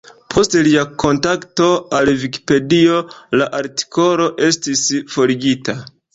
Post lia kontakto al Vikipedio, la artikolo estis forigita.